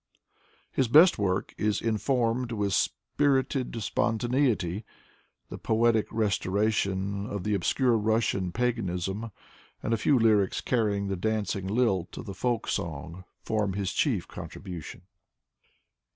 His best work is informed with spirited spon taneity. The poetic restoration of the obscure Russian pagan ism, and a few lyrics carrying the dancing lilt of the folk song, form his chief contribution.